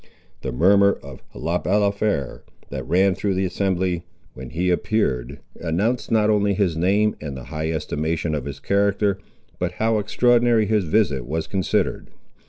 The murmur of Le Balafré, that ran through the assembly when he appeared, announced not only his name and the high estimation of his character, but how extraordinary his visit was considered.